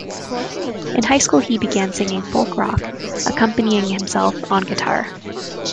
In high school, he began singing folk-rock, accompanying himself on guitar.